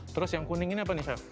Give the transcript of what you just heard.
terus yang kuning ini apa nih chef